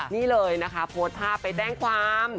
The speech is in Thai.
นี่เลยนะคะโพสต์ภาพไปแจ้งความ